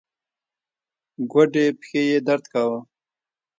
ګوډې پښې يې درد کاوه.